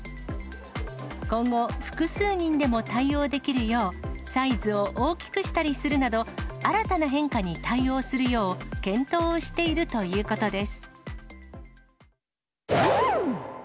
今後、複数人でも対応できるよう、サイズを大きくしたりするなど、新たな変化に対応するよう、検討をしているということです。